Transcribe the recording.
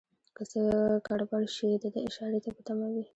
که څه ګړبړ شي دده اشارې ته په تمه وي.